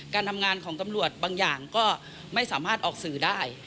การทำงานของตำรวจบางอย่างก็ไม่สามารถออกสื่อได้